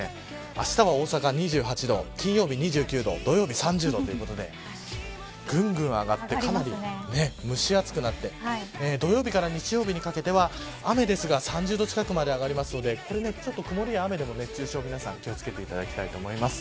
あしたは大阪２８度金曜日２９度土曜日３０度ということでぐんぐん上がってかなり蒸し暑くなって土曜日から日曜日にかけては雨ですが３０度近くまで上がりますので曇りや雨でも熱中症皆さん、気を付けていただきたいと思います。